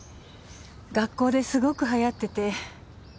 学校ですごく流行ってて。